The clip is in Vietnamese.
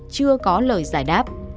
chưa có lời giải đáp